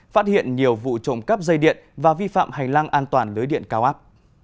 phát hiện nhiều vụ trộm cắp dây điện và vi phạm hành lang an toàn lưới điện cao áp